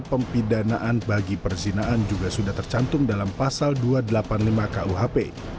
pempidanaan bagi perzinaan juga sudah tercantum dalam pasal dua ratus delapan puluh lima kuhp